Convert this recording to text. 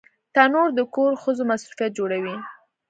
تنور د کور ښځو مصروفیت جوړوي